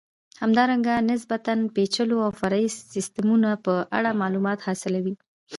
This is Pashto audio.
همدارنګه د نسبتا پېچلو او فرعي سیسټمونو په اړه معلومات حاصلوئ.